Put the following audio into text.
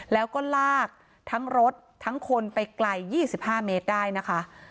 แล้วก็ลากทั้งรถทั้งคนไปไกล๒๕เมตรได้นะคะ